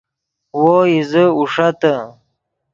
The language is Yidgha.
وو ایزے اوݰتے